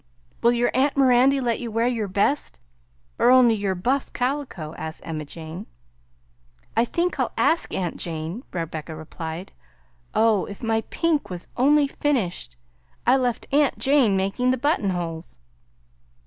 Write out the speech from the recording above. "Will your aunt Mirandy let you wear your best, or only your buff calico?" asked Emma Jane. "I think I'll ask aunt Jane," Rebecca replied. "Oh! if my pink was only finished! I left aunt Jane making the buttonholes!"